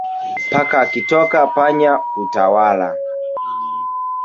Paka akitoka panya hutawala